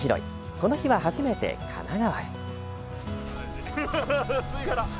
この日は初めて神奈川へ。